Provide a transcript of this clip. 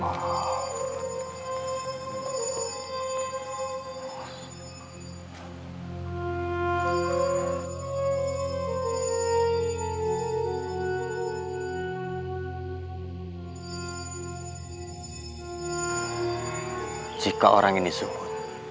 airnya akan terbellah utama